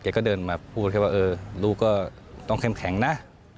ก็เดินมาพูดแค่ว่าเออลูกก็ต้องเข้มแข็งนะ